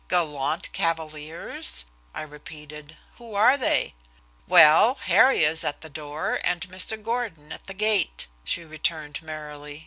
"Gallant cavaliers?" I repeated. "Who are they?" "Well, Harry is at the door, and Mr. Gordon at the gate," she returned merrily.